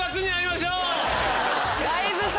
だいぶ先！